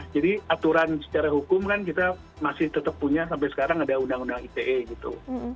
jadi aturan secara hukum kan kita masih tetap punya sampai sekarang ada undang undang ite gitu